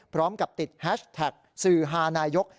พร้อมกับติดแฮชแท็กสื่อฮานายก